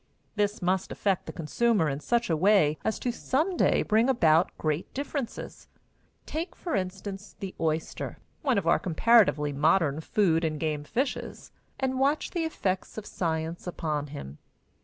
This must affect the consumer in such a way as to some day bring about great differences. Take, for instance, the oyster, one of our comparatively modern food and game fishes, and watch the effects of science upon him.